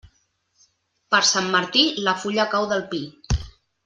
Per Sant Martí, la fulla cau del pi.